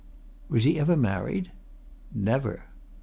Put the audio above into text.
"Was he ever married?" "Never!"